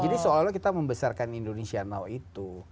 jadi seolah olah kita membesarkan indonesia now itu